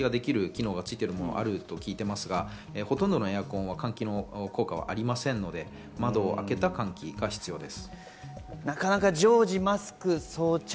エアコンは一部、換気ができる機能がついているものがあると聞いていますが、ほとんどのエアコンは換気の効果はありませんので窓を開けた換気が必要です。